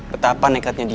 betapa nekatnya dia